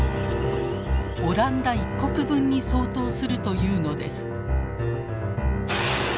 オランダ１国分に相当するというのです。